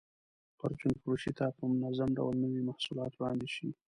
پرچون فروشۍ ته په منظم ډول نوي محصولات وړاندې شي.